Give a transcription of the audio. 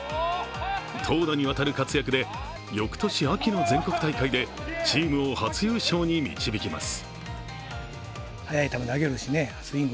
投打にわたる活躍で翌年秋の全国大会でチームを初優勝に導きます。